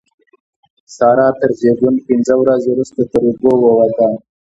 سارا تر زېږون پينځه ورځې روسته تر اوبو ووته.